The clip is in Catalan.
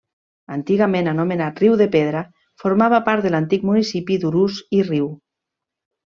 Antigament anomenat Riu de Pedra, formava part de l'antic municipi d'Urús i Riu.